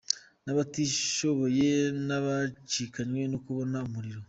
N’abatishoboye ntabacikanywe no kubona umuriro